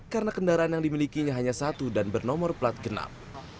karena kendaraan yang dimilikinya hanya satu dan bernomor plat genap